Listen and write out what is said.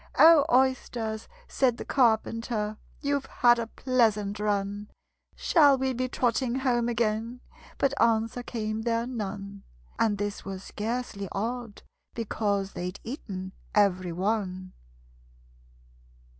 "O, Oysters," said the Carpenter, "You've had a pleasant run! Shall we be trotting home again?" But answer came there none And this was scarcely odd, because They'd eaten every one.